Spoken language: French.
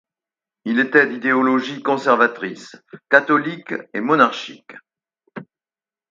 Il était d'idéologie conservatrice, catholique et monarchique.